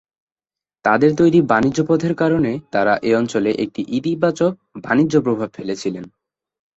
তাদের তৈরি বাণিজ্য পথের কারণে তারা-এঅঞ্চলে একটি ইতিবাচক বাণিজ্য প্রভাব ফেলেছিল।